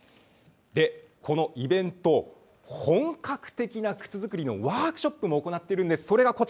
このイベント、本格的な靴づくりのワークショップも行っているんです。